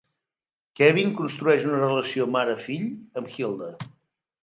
Kevin construeix una relació mare-fill amb Hilda.